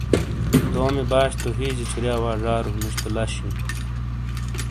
تومی باش تو ہیجے چھُوریا وا زارو، نُش تو لش ہِیں۔